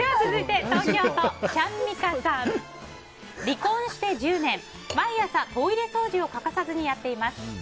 続いて、東京都の方。離婚して１０年、毎朝トイレ掃除を欠かさずにやっています。